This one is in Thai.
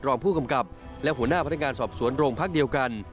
รองผู้กำกับและหัวหน้าพนักงานสอบสวนโรงพักเดียวกัน